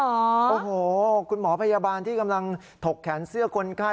โอ้โหคุณหมอพยาบาลที่กำลังถกแขนเสื้อคนไข้